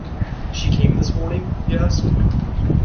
“She came this morning?” he asked.